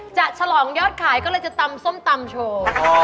ฉลองยอดขายก็เลยจะตำส้มตำโชว์